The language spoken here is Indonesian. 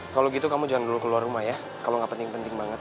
kalo gitu kamu jangan dulu keluar rumah ya kalo gak penting penting banget